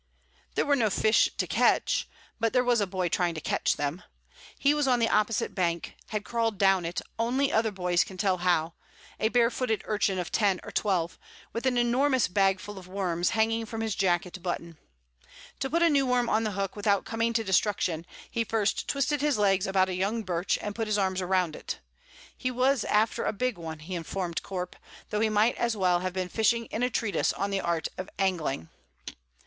There were no fish to catch, but there was a boy trying to catch them. He was on the opposite bank; had crawled down it, only other boys can tell how, a barefooted urchin of ten or twelve, with an enormous bagful of worms hanging from his jacket button. To put a new worm on the hook without coming to destruction, he first twisted his legs about a young birch, and put his arms round it. He was after a big one, he informed Corp, though he might as well have been fishing in a treatise on the art of angling.